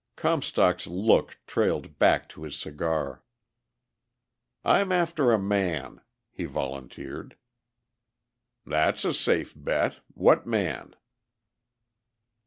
Comstock's look trailed back to his cigar. "I'm after a man," he volunteered. "That's a safe bet. What man?"